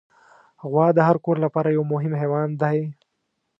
غوا د هر کور لپاره یو مهم حیوان دی.